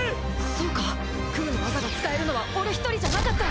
そうか空の技が使えるのは俺１人じゃなかった！